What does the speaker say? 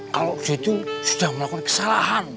kalau dia itu sudah melakukan kesalahan